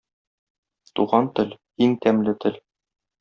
Туган тел - иң тәмле тел.